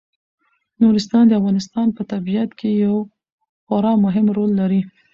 نورستان د افغانستان په طبیعت کې یو خورا مهم رول لري.